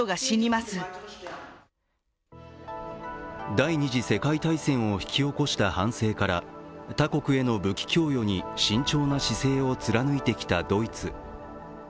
第二次世界大戦を引き起こした反省から他国への武器供与に慎重な姿勢を貫いてきたドイツ。